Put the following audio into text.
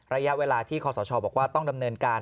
ระยะเวลาที่คอสชบอกว่าต้องดำเนินการ